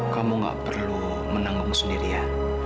kamu tidak perlu menanggung sendiri ya